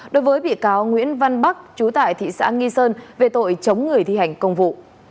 đối với bị cáo nguyễn văn bắc chú tại thị xã nghi sơn về tội chống người thi hành công vụ